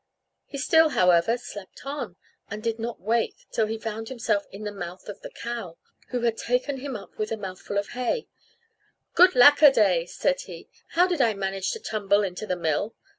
He still, however, slept on, and did not wake till he found himself in the mouth of the cow, who had taken him up with a mouthful of hay: "Good lack a day!" said he, "how did I manage to tumble into the mill?"